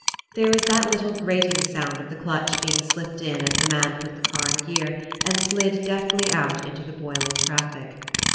There was that little grating sound of the clutch being slipped in as the man put the car in gear and slid deftly out into the boil ing traffic.